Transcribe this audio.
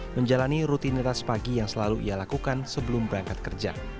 menjalani rutinitas pagi yang selalu ia lakukan sebelum berangkat kerja